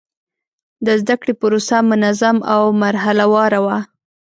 د زده کړې پروسه منظم او مرحله وار وه.